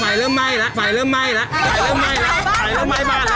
เริ่มไหม้แล้วไฟเริ่มไหม้แล้วไฟเริ่มไหม้แล้วไฟเริ่มไหม้บ้านแล้ว